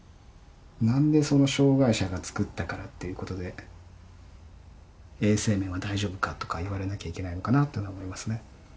何でその障害者が作ったからということで衛生面は大丈夫かとか言われなきゃいけないのかなというのは思いますね。